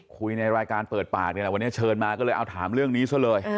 ในรายการเปิดปากนี่แหละวันนี้เชิญมาก็เลยเอาถามเรื่องนี้ซะเลย